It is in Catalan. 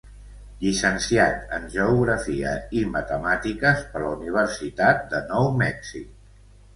Llicenciat en Geografia i Matemàtiques per la Universitat de Nou Mèxic.